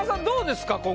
どうですか？